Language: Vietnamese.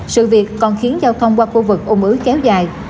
sự việc còn khiến giao thông qua khu vực ôn ứ kéo dài